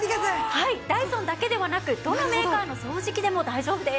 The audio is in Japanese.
ダイソンだけではなくどのメーカーの掃除機でも大丈夫です。